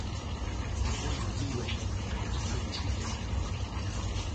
Le rôle de Lu Wei dans le dispositif est double.